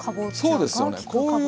そうですよね。